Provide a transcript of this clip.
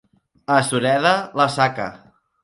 A Sureda, la saca.